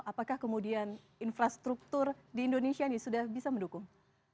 apakah kemudian infrastruktur di indonesia ini sudah bisa mendukung